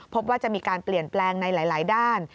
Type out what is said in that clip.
พบว่าจะมีการเปลี่ยนแปลงในหลายด้าน